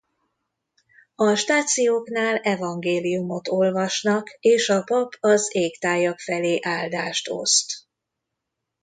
A stációknál Evangéliumot olvasnak és a pap az égtájak felé áldást oszt.